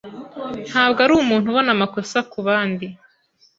Ntabwo ari umuntu ubona amakosa ku bandi.